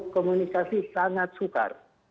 komunikasi sangat sukar